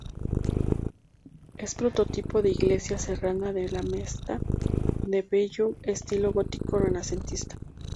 Es prototipo de "iglesia serrana de la Mesta" de bello estilo gótico-renacentista.